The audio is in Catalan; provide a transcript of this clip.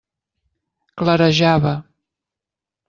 Clarejava.